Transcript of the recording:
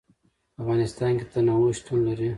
په افغانستان کې تنوع شتون لري.